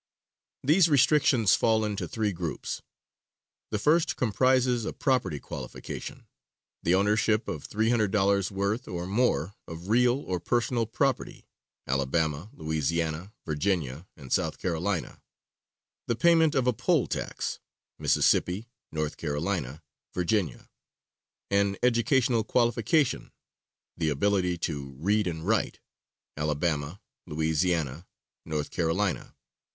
These restrictions fall into three groups. The first comprises a property qualification the ownership of $300 worth or more of real or personal property (Alabama, Louisiana, Virginia and South Carolina); the payment of a poll tax (Mississippi, North Carolina, Virginia); an educational qualification the ability to read and write (Alabama, Louisiana, North Carolina).